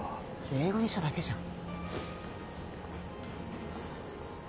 英語にしただけじゃん。